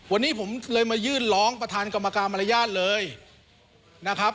วันนี้ผมเลยมายื่นร้องประธานกรรมการมารยาทเลยนะครับ